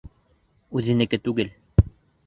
Үҙенеке түгел!